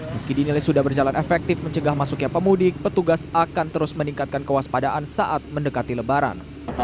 meski dinilai sudah berjalan efektif mencegah masuknya pemudik petugas akan terus meningkatkan kewaspadaan saat mendekati lebaran